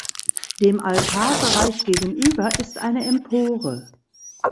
Dem Altarbereich gegenüber ist eine Empore.